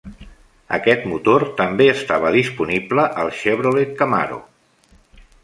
Aquest motor també estava disponible al Chevrolet Camaro.